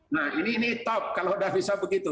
nah ini top kalau sudah bisa begitu